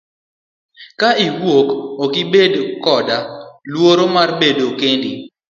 Ka iwuok okibed koda luoro mar bedo kendi.